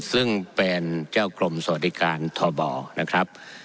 ซึ่งเป็นเจ้ากรมสวัสดิการทบนะครับ